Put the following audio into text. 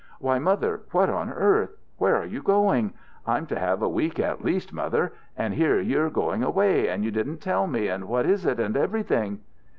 "Why, Mother, what in earth? Where are you going? I'm to have a week at least, Mother; and here you're going away, and you didn't tell me, and what is it, and everything?"